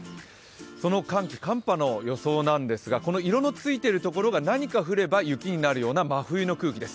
その寒気、寒波の予想なんですが色のついているところが何か降れば雪になるような真冬の空気です。